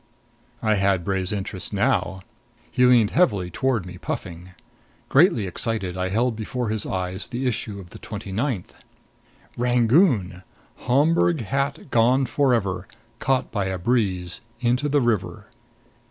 I had Bray's interest now. He leaned heavily toward me, puffing. Greatly excited, I held before his eyes the issue of the twenty ninth: "RANGOON: Homburg hat gone forever caught by a breeze into the river."